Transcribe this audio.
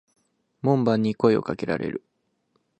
門番に声を掛けられる。